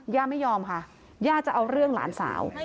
ย่าไม่ยอมค่ะย่าจะเอาเรื่องหลานสาว